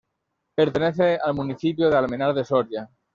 Pertenece al municipio de Almenar de Soria.